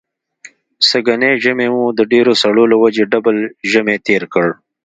سږنی ژمی مو د ډېرو سړو له وجې ډبل ژمی تېر کړ.